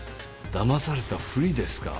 だまされたふりですか。